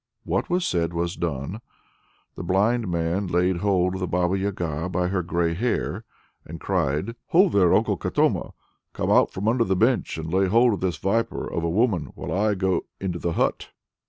What was said was done. The blind man laid hold of the Baba Yaga by her grey hair, and cried "Ho there, Uncle Katoma! Come out from under the bench, and lay hold of this viper of a woman, while I go into the hut!"